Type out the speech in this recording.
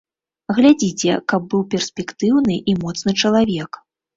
Глядзіце, каб быў перспектыўны і моцны чалавек.